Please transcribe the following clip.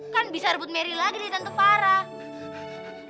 kan bisa rebut merry lagi deh tante farah